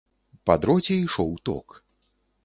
Па дроце ішоў ток.